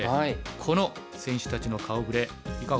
この選手たちの顔ぶれいかがですか？